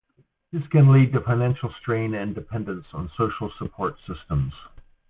This can lead to financial strain and dependence on social support systems.